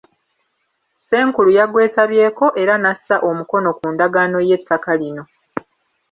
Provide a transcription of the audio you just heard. Ssenkulu yagwetabyeko era n’assa omukono ku ndagaano y'ettaka lino.